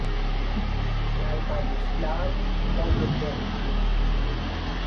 Tout, l'Allemagne esclave et l'Angleterre libre ;